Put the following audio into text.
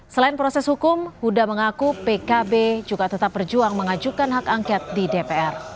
selain proses hukum huda mengaku pkb juga tetap berjuang mengajukan hak angket di dpr